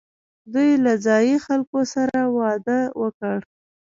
دوی له ځايي خلکو سره واده وکړ